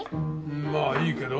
まあいいけど。